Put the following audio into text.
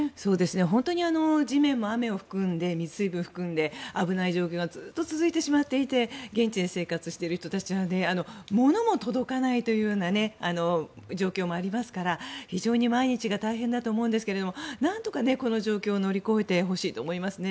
本当に地面も雨を含んで水分を含んで危ない状況がずっと続いてしまっていて現地で生活している人たちは物も届かないというような状況もありますから非常に毎日が大変だと思うんですがなんとかこの状況を乗り越えてほしいと思いますね。